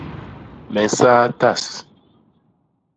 Me nsaa tas.